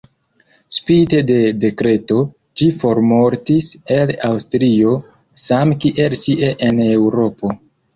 Spite la dekreto, ĝi formortis el Aŭstrio same kiel ĉie en Eŭropo.